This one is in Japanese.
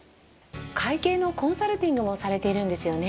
会計のコンサルティングもされているんですよね。